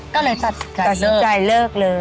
ก็เลยตัดใจเริก